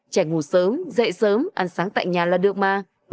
trẻ ngủ sớm dậy sớm ăn sáng tại nhà là được mà